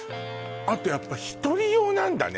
あとやっぱ１人用なんだね